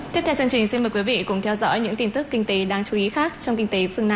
tiếp theo chương trình xin mời quý vị cùng theo dõi những tin tức kinh tế đáng chú ý khác trong kinh tế phương nam